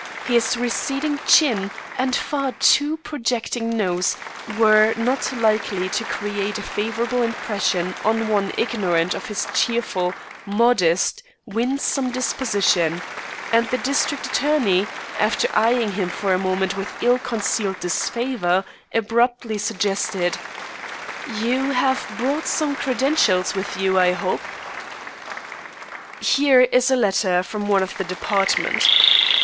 His receding chin and far too projecting nose were not likely to create a favourable impression on one ignorant of his cheerful, modest, winsome disposition; and the district attorney, after eyeing him for a moment with ill concealed disfavour, abruptly suggested: "You have brought some credentials with you, I hope." "Here is a letter from one of the department.